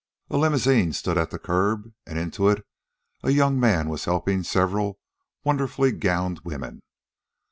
A limousine stood at the curb, and into it a young man was helping several wonderfully gowned women.